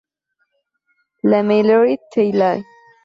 La Meilleraie-Tillay